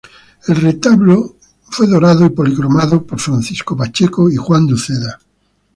El retablo fue dorado y policromado por Francisco Pacheco y Juan de Uceda.